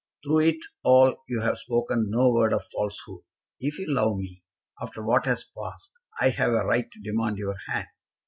Through it all you have spoken no word of falsehood. If you love me, after what has passed, I have a right to demand your hand.